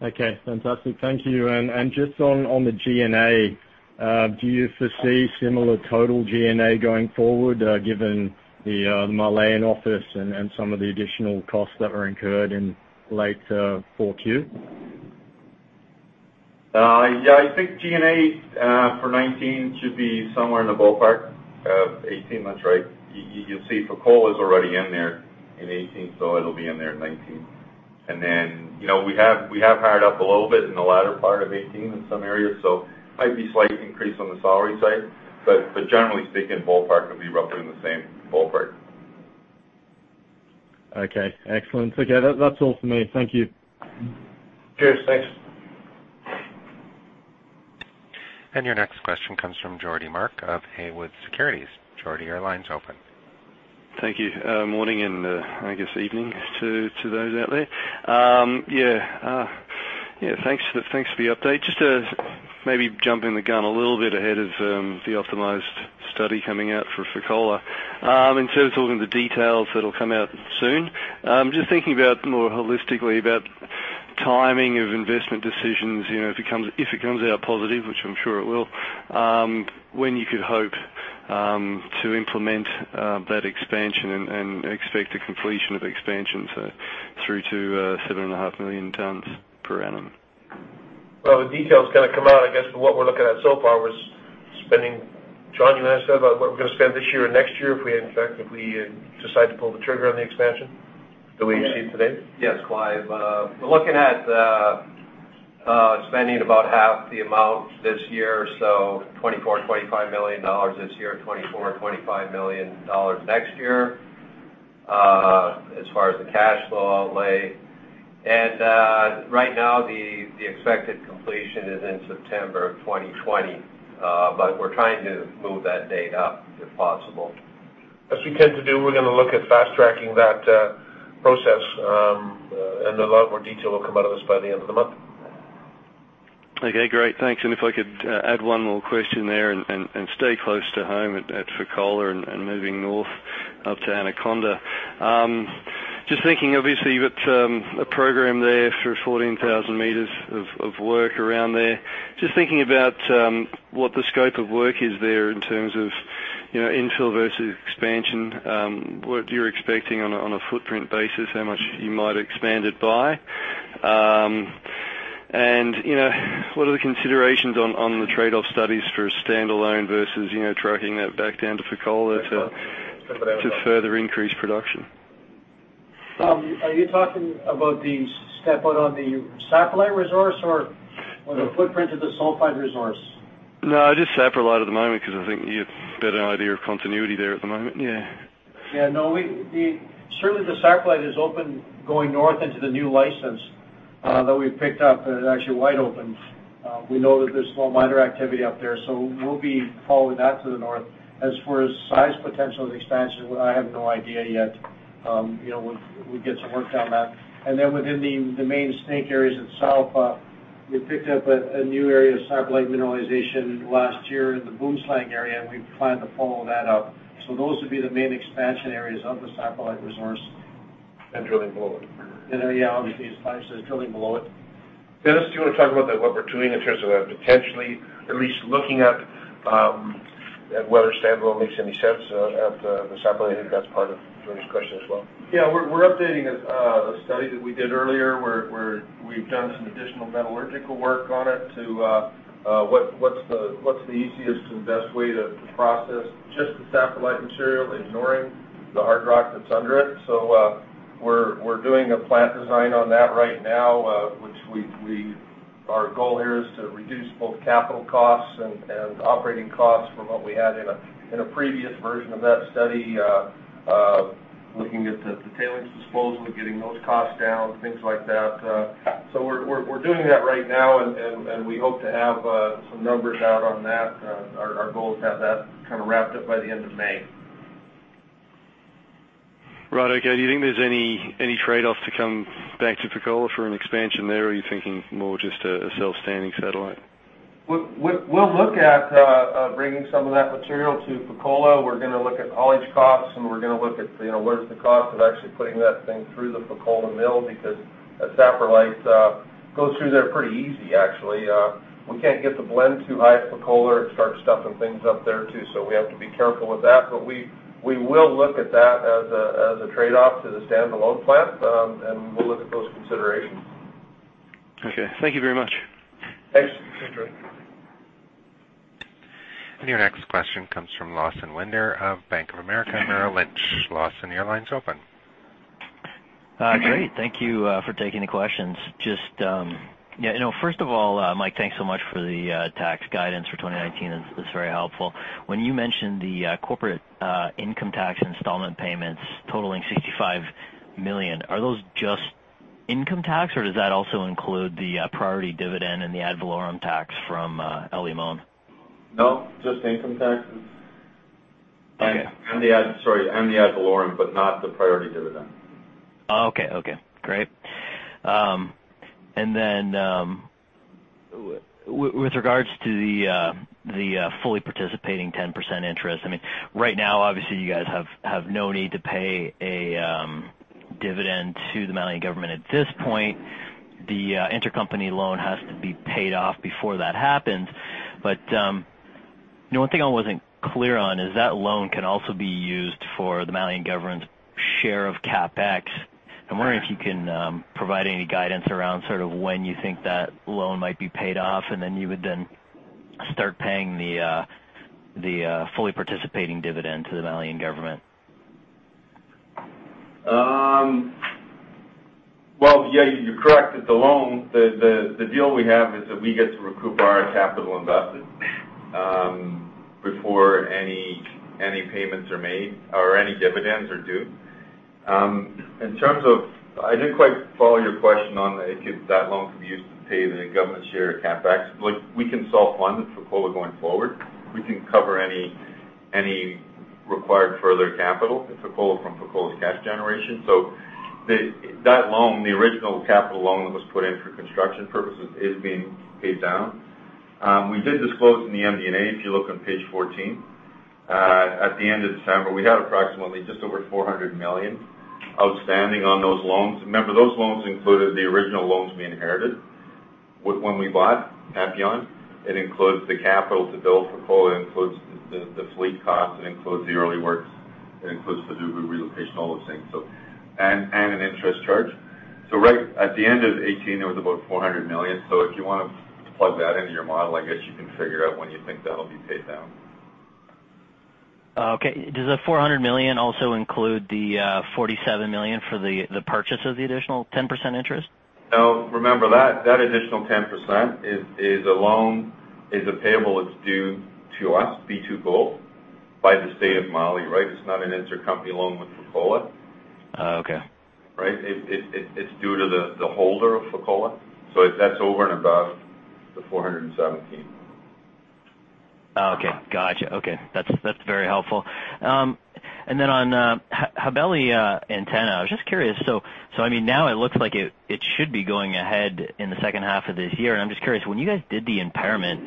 Okay, fantastic. Thank you. Just on the G&A, do you foresee similar total G&A going forward given the Malian office and some of the additional costs that were incurred in late 4Q? Yeah. I think G&A for 2019 should be somewhere in the ballpark of 2018. That's right. You'll see Fekola's already in there in 2018, so it'll be in there in 2019. We have hired up a little bit in the latter part of 2018 in some areas, so might be slight increase on the salary side. Generally speaking, ballpark would be roughly in the same ballpark. Okay, excellent. Okay, that's all for me. Thank you. Cheers. Thanks. Your next question comes from Geordie Mark of Haywood Securities. Geordie, your line's open. Thank you. Morning and, I guess, evening to those out there. Yeah. Thanks for the update. Just to maybe jumping the gun a little bit ahead of the optimized study coming out for Fekola. In terms of some of the details that'll come out soon, just thinking about more holistically about timing of investment decisions, if it comes out positive, which I'm sure it will, when you could hope to implement that expansion and expect the completion of expansion through to seven and a half million tons per annum. The detail's going to come out, I guess, but what we're looking at so far was spending John, you want to say about what we're going to spend this year and next year if we decide to pull the trigger on the expansion that we received today? Yes, Clive. We're looking at spending about half the amount this year, so $24 million, $25 million this year, $24 million, $25 million next year, as far as the cash flow outlay. Right now, the expected completion is in September 2020. We're trying to move that date up if possible. As we tend to do, we're going to look at fast-tracking that process, and a lot more detail will come out of this by the end of the month. Okay, great. Thanks. If I could add one more question there and stay close to home at Fekola and moving north up to Anaconda. Just thinking, obviously, you've got a program there for 14,000 meters of work around there. Just thinking about what the scope of work is there in terms of infill versus expansion, what you're expecting on a footprint basis, how much you might expand it by. What are the considerations on the trade-off studies for a standalone versus tracking that back down to Fekola to further increase production? Are you talking about the step out on the saprolite resource or the footprint of the sulfide resource? No, just saprolite at the moment because I think you have a better idea of continuity there at the moment. Yeah. Yeah. No, certainly the saprolite is open going north into the new license that we've picked up. It's actually wide open. We know that there's small minor activity up there, so we'll be following that to the north. As far as size potential of the expansion, I have no idea yet. We'll get some work on that. Then within the main snake areas itself, we picked up a new area of saprolite mineralization last year in the Boomslang area. We plan to follow that up. Those would be the main expansion areas of the saprolite resource. Drilling below it. Yeah, obviously, as Clive says, drilling below it. Dennis, do you want to talk about what we're doing in terms of potentially at least looking at whether standalone makes any sense at the saprolite? I think that's part of Geordie's question as well. Yeah, we're updating a study that we did earlier where we've done some additional metallurgical work on it to what's the easiest and best way to process just the saprolite material, ignoring the hard rock that's under it. We're doing a plant design on that right now, which our goal here is to reduce both capital costs and operating costs from what we had in a previous version of that study, looking at the tailings disposal, getting those costs down, things like that. We're doing that right now, and we hope to have some numbers out on that. Our goal is to have that wrapped up by the end of May. Right. Okay. Do you think there's any trade-offs to come back to Fekola for an expansion there, or are you thinking more just a self-standing satellite? We'll look at bringing some of that material to Fekola. We're going to look at haulage costs, and we're going to look at what is the cost of actually putting that thing through the Fekola mill because that saprolite goes through there pretty easy, actually. We can't get the blend too high at Fekola. It starts stuffing things up there, too. We have to be careful with that. We will look at that as a trade-off to the standalone plant. We'll look at those considerations. Okay. Thank you very much. Thanks. Thanks, Geordie. Your next question comes from Lawson Winder of Bank of America Merrill Lynch. Lawson, your line's open. Great. Thank you for taking the questions. First of all, Mike, thanks so much for the tax guidance for 2019. It's very helpful. When you mentioned the corporate income tax installment payments totaling $65 million, are those just income tax, or does that also include the priority dividend and the ad valorem tax from El Limon? No, just income tax. Okay. The ad valorem, but not the priority dividend. Okay. Great. With regards to the fully participating 10% interest, right now, obviously, you guys have no need to pay a dividend to the Malian government at this point. The intercompany loan has to be paid off before that happens. One thing I wasn't clear on is that loan can also be used for the Malian government's share of CapEx. I'm wondering if you can provide any guidance around when you think that loan might be paid off, and then you would then start paying the fully participating dividend to the Malian government. Well, yeah, you're correct. It's a loan. The deal we have is that we get to recoup our capital invested before any payments are made or any dividends are due. I didn't quite follow your question on if that loan could be used to pay the government's share of CapEx. We can self-fund Fekola going forward. We can cover any required further capital at Fekola from Fekola's cash generation. That loan, the original capital loan that was put in for construction purposes, is being paid down. We did disclose in the MD&A, if you look on page 14. At the end of December, we had approximately just over $400 million outstanding on those loans. Remember, those loans included the original loans we inherited when we bought Papillon. It includes the capital to build Fekola, it includes the fleet cost, it includes the early works, it includes the Fadougou relocation, all those things, and an interest charge. Right at the end of 2018, it was about $400 million. If you want to plug that into your model, I guess you can figure out when you think that'll be paid down. Okay. Does the $400 million also include the $47 million for the purchase of the additional 10% interest? No. Remember, that additional 10% is a loan, is a payable that's due to us, B2Gold, by the State of Mali. It's not an intercompany loan with Fekola. Oh, okay. Right? It's due to the holder of Fekola. That's over and above the $417. Okay. Got you. Okay. That's very helpful. On Jabali Antenna, I was just curious. Now it looks like it should be going ahead in the second half of this year, and I'm just curious, when you guys did the impairment,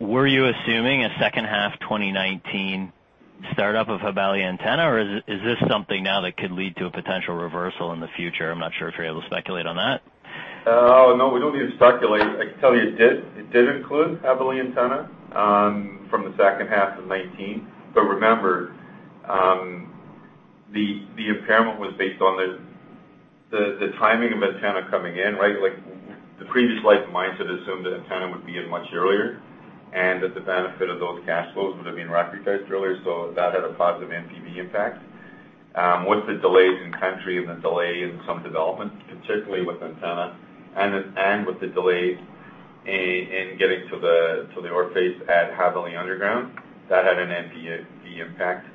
were you assuming a second half 2019 startup of Jabali Antenna, or is this something now that could lead to a potential reversal in the future? I'm not sure if you're able to speculate on that. No, we don't need to speculate. I can tell you it did include Jabali Antenna from the second half of 2019. Remember, the impairment was based on the timing of Antenna coming in. The previous life mindset assumed that Antenna would be in much earlier and that the benefit of those cash flows would've been recognized earlier. That had a positive NPV impact. With the delays in country and the delay in some development, particularly with Antenna and with the delays in getting to the ore face at Jabali Underground, that had an NPV impact.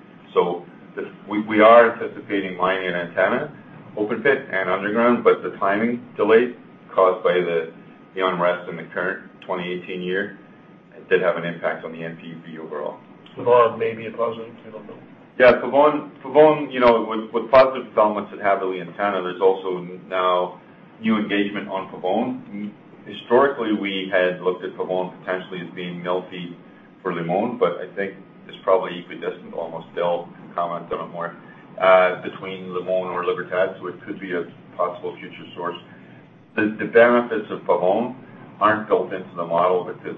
We are anticipating mining an Antenna, open pit, and underground, but the timing delays caused by the unrest in the current 2018 year did have an impact on the NPV overall. Pavon may be a positive development. Yeah. With positive developments at Jabali Antenna, there's also now new engagement on Pavon. Historically, we had looked at Pavon potentially as being mill feed for Limon, but I think it's probably equidistant almost, Bill can comment on it more, between Limon or Libertad. It could be a possible future source. The benefits of Pavon aren't built into the model because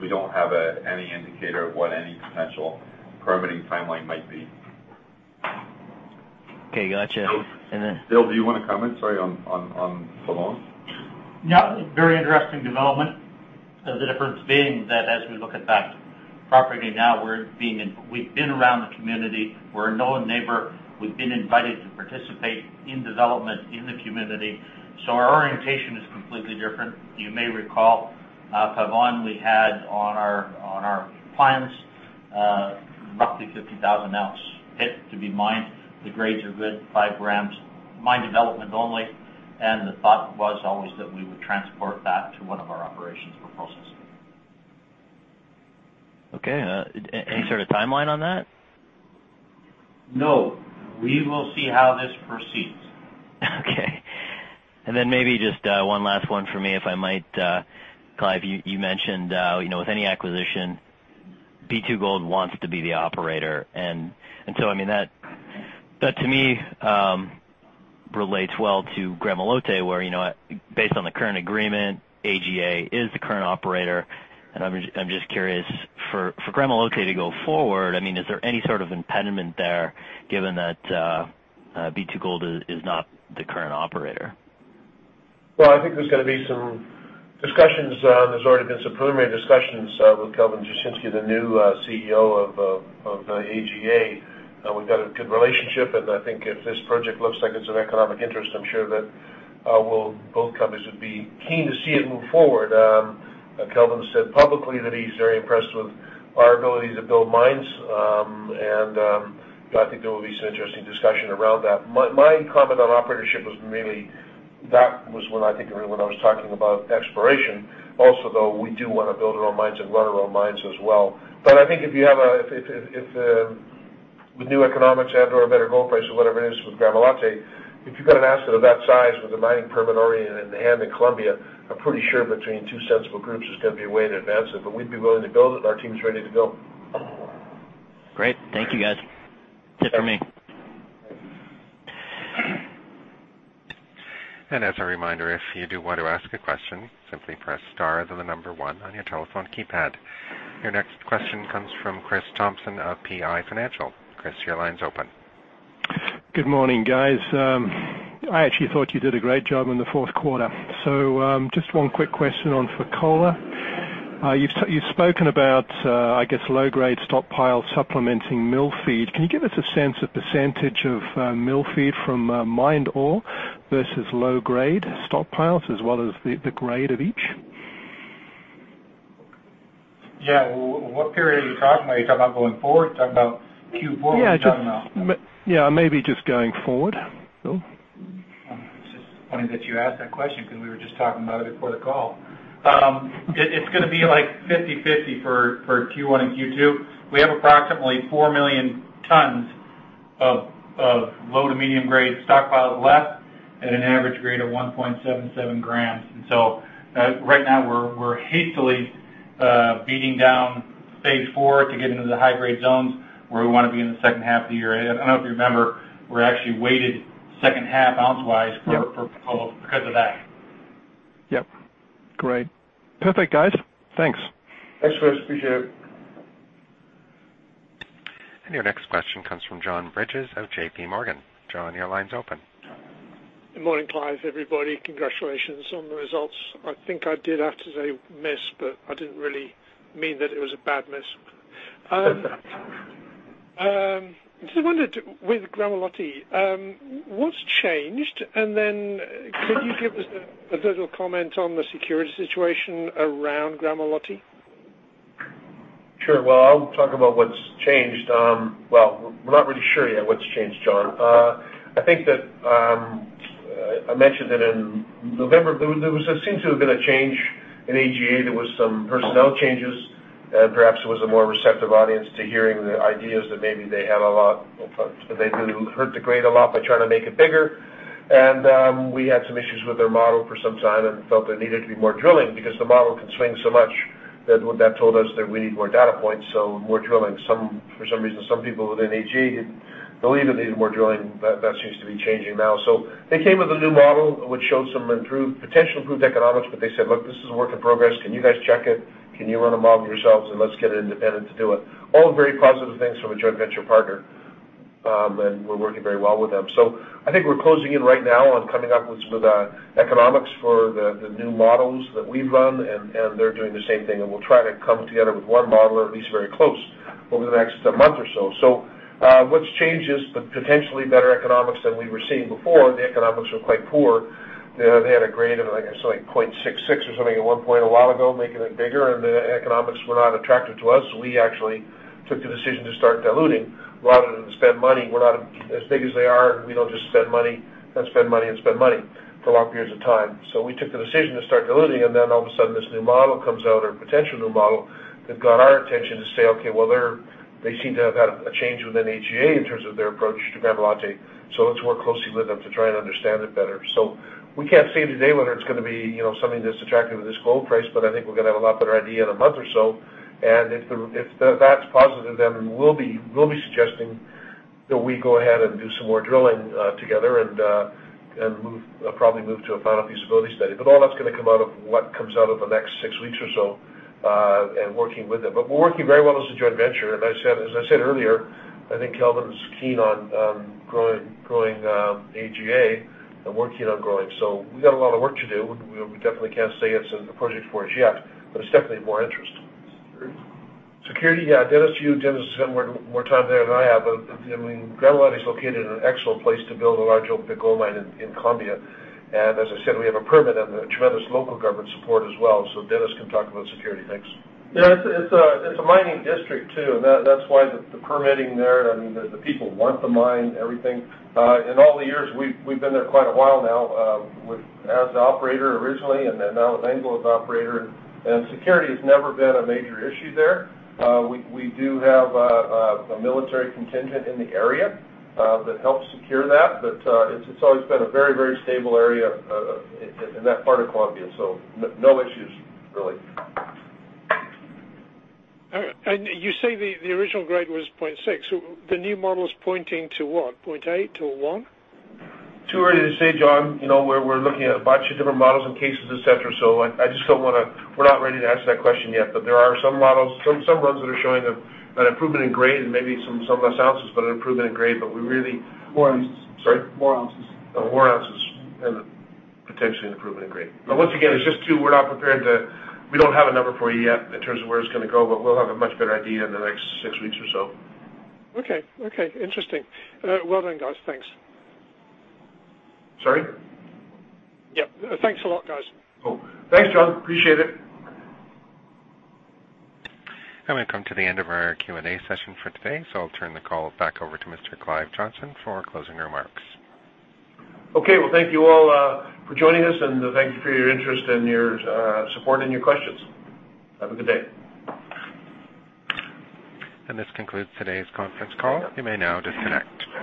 we don't have any indicator of what any potential permitting timeline might be. Okay, got you. Bill, do you want to comment, sorry, on Pavon? Yeah. Very interesting development. The difference being that as we look at that property now, we've been around the community. We're a known neighbor. We've been invited to participate in development in the community. Our orientation is completely different. You may recall, Pavon, we had on our plans roughly 50,000-ounce pit to be mined. The grades are good, five grams, mine development only, and the thought was always that we would transport that to one of our operations for processing. Okay. Any sort of timeline on that? No. We will see how this proceeds. Okay. Maybe just one last one for me, if I might. Clive, you mentioned, with any acquisition, B2Gold wants to be the operator. That to me relates well to Gramalote where, based on the current agreement, AGA is the current operator. I'm just curious, for Gramalote to go forward, is there any sort of impediment there given that B2Gold is not the current operator? I think there's going to be some discussions. There's already been some preliminary discussions with Kelvin Dushnisky, the new CEO of AGA. We've got a good relationship. I think if this project looks like it's of economic interest, I'm sure that both companies would be keen to see it move forward. Kelvin said publicly that he's very impressed with our ability to build mines. I think there will be some interesting discussion around that. My comment on operatorship was mainly, that was when I think when I was talking about exploration. Also, though, we do want to build our own mines and run our own mines as well. I think with new economics and/or a better gold price or whatever it is with Gramalote, if you've got an asset of that size with a mining permit already in hand in Colombia, I'm pretty sure between two sensible groups there's going to be a way to advance it. We'd be willing to go. Our team's ready to go. Great. Thank you, guys. That's it for me. As a reminder, if you do want to ask a question, simply press star, then the number one on your telephone keypad. Your next question comes from Chris Thompson of PI Financial. Chris, your line's open Good morning, guys. I actually thought you did a great job in the fourth quarter. Just one quick question for Fekola. You've spoken about, I guess, low-grade stockpile supplementing mill feed. Can you give us a sense of % of mill feed from mined ore versus low-grade stockpiles, as well as the grade of each? Yeah. What period are you talking about? Are you talking about going forward? You talking about Q4? Yeah, maybe just going forward. It's just funny that you asked that question because we were just talking about it before the call. It's going to be like 50/50 for Q1 and Q2. We have approximately 4 million tons of low to medium-grade stockpiles left at an average grade of 1.77 grams. Right now we're hastily beating down stage 4 to get into the high-grade zones where we want to be in the second half of the year. I don't know if you remember, we're actually weighted second half ounce-wise for Fekola because of that. Yep. Great. Perfect, guys. Thanks. Thanks, Chris. Appreciate it. Your next question comes from John Bridges of J.P. Morgan. John, your line's open. Good morning, Clive, everybody. Congratulations on the results. I think I did have to say miss, but I didn't really mean that it was a bad miss. I just wondered with Gramalote, what's changed? Could you give us a little comment on the security situation around Gramalote? Sure. Well, I'll talk about what's changed. Well, we're not really sure yet what's changed, John. I think that I mentioned that in November, there seemed to have been a change in AGA. There was some personnel changes. Perhaps it was a more receptive audience to hearing the ideas that maybe they hurt the grade a lot by trying to make it bigger. We had some issues with their model for some time and felt there needed to be more drilling because the model can swing so much that what that told us that we need more data points, so more drilling. For some reason, some people within AGA didn't believe it needed more drilling. That seems to be changing now. They came with a new model, which showed some potential improved economics, but they said, "Look, this is a work in progress. Can you guys check it? Can you run a model yourselves? Let's get an independent to do it." All very positive things from a joint venture partner. We're working very well with them. I think we're closing in right now on coming up with some economics for the new models that we've run, and they're doing the same thing. We'll try to come together with one model, or at least very close, over the next month or so. What's changed is the potentially better economics than we were seeing before. The economics were quite poor. They had a grade of, I guess, like 0.66 or something at one point a while ago, making it bigger, and the economics were not attractive to us. We actually took the decision to start diluting rather than spend money. We're not as big as they are, and we don't just spend money and spend money and spend money for long periods of time. We took the decision to start diluting. All of a sudden, this new model comes out, or potential new model, that got our attention to say, "Okay, well, they seem to have had a change within AGA in terms of their approach to Gramalote, so let's work closely with them to try and understand it better." We can't say today whether it's going to be something that's attractive at this gold price, but I think we're going to have a lot better idea in a month or so. If that's positive, then we'll be suggesting that we go ahead and do some more drilling together and probably move to a final feasibility study. All that's going to come out of what comes out of the next 6 weeks or so, and working with them. We're working very well as a joint venture, and as I said earlier, I think Kelvin's keen on growing AGA, and we're keen on growing. We've got a lot of work to do. We definitely can't say it's in the project for us yet, but it's definitely more interesting. Security? Security, yeah. Dennis, to you. Dennis has spent more time there than I have, Gramalote is located in an excellent place to build a large open pit gold mine in Colombia. As I said, we have a permit and tremendous local government support as well. Dennis can talk about security. Thanks. Yeah, it's a mining district, too. That's why the permitting there, the people want the mine, everything. In all the years, we've been there quite a while now, as the operator originally, then now Anglo is operator, security has never been a major issue there. We do have a military contingent in the area that helps secure that, it's always been a very, very stable area in that part of Colombia. No issues, really. All right. You say the original grade was 0.6. The new model is pointing to what? 0.8-1? Too early to say, John. We're looking at a bunch of different models and cases, et cetera. We're not ready to answer that question yet. There are some models, some runs that are showing an improvement in grade and maybe some less ounces, but an improvement in grade. More ounces. Sorry? More ounces. More ounces and potentially an improvement in grade. Once again, we don't have a number for you yet in terms of where it's going to go, but we'll have a much better idea in the next six weeks or so. Okay. Interesting. Well done, guys. Thanks. Sorry? Yep. Thanks a lot, guys. Cool. Thanks, John. Appreciate it. We've come to the end of our Q&A session for today, so I'll turn the call back over to Mr. Clive Johnson for closing remarks. Okay. Well, thank you all for joining us, and thank you for your interest and your support and your questions. Have a good day. This concludes today's conference call. You may now disconnect.